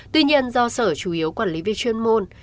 tuy nhiên do sở chủ yếu quản lý về chuyên môn